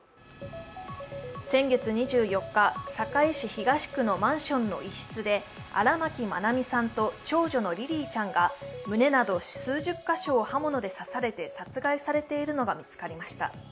先月２４日、堺市東区のマンションの一室で荒牧愛美さんと長女のリリィちゃんが胸など数十カ所を刃物で刺されて殺害されているのが見つかりました。